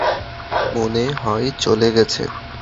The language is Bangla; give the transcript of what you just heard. মনে হয় চলে গেছে।